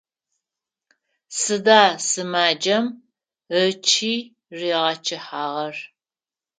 Сыда сымаджэм ычый ригъэчъыхьагъэр?